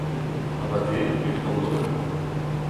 Abadennoù evit an holl !